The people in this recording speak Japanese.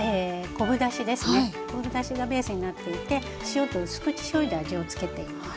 昆布だしがベースになっていて塩とうす口しょうゆで味を付けています。